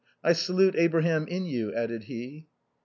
I salute Abraham in you," added he.